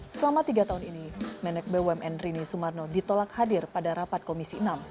selama tiga tahun ini menek bumn rini sumarno ditolak hadir pada rapat komisi enam